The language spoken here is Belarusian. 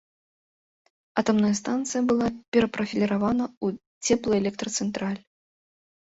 Атамная станцыя была перапрафіліравана ў цеплаэлектрацэнтраль.